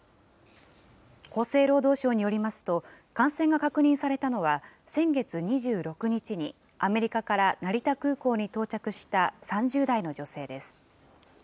厚生労働省によりますと、感染が確認されたのは、先月２６日にアメリカから成田空港に到着した３０代の女性です。